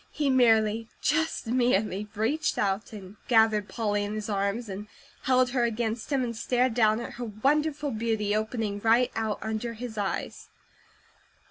He merely, just merely, reached out and gathered Polly in his arms, and held her against him, and stared down at her wonderful beauty opening right out under his eyes.